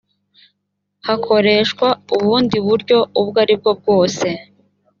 hakoreshwa ubundi buryo ubwo ari bwo bwose